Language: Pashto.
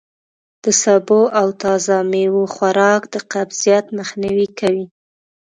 د سبو او تازه میوو خوراک د قبضیت مخنوی کوي.